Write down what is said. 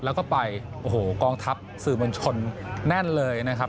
แล้วก็ไปโอ้โหกองทัพสื่อมวลชนแน่นเลยนะครับ